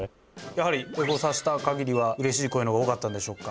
やはりエゴサした限りはうれしい声のほうが多かったんでしょうか？